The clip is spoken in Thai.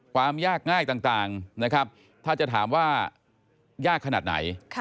ความยากง่ายต่างนะครับถ้าจะถามว่ายากขนาดไหน